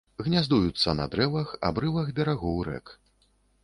Гняздуюцца на дрэвах, абрывах берагоў рэк.